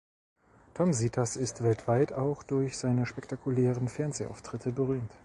Tom Sietas ist weltweit auch durch seine spektakulären Fernsehauftritte berühmt.